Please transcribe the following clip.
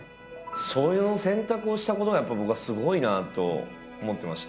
それを選択をしたことがやっぱり僕はすごいなと思ってまして。